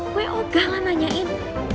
gue ogah lah nanyain